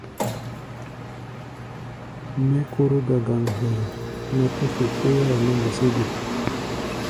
Mɛ́ kóró gagaŋ hɛ̧ɛ̧, mɛ́ tɛ́ fe féáa mɛ́ gesé ge?